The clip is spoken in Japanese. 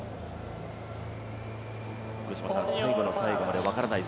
最後の最後まで分からない